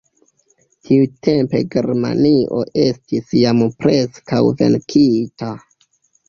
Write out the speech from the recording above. Tiutempe Germanio estis jam preskaŭ venkita.